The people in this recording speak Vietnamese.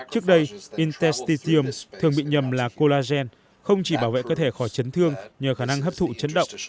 trước đây intelstitiums thường bị nhầm là colagen không chỉ bảo vệ cơ thể khỏi chấn thương nhờ khả năng hấp thụ chấn động